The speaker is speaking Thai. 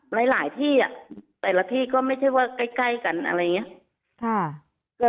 หลายหลายที่อ่ะแต่ละที่ก็ไม่ใช่ว่าใกล้ใกล้กันอะไรอย่างเงี้ย